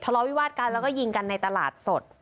ล้อวิวาดกันแล้วก็ยิงกันในตลาดสด